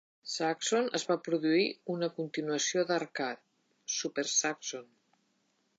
Zaxxon es va produir una continuació d'Arcade: Super Zaxxon.